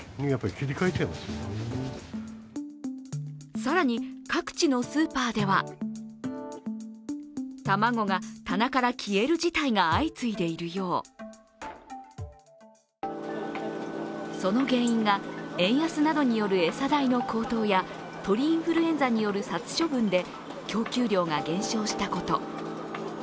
更に、各地のスーパーではその原因が円安などによる餌代の高騰や鳥インフルエンザによる殺処分で供給量が減少したこと。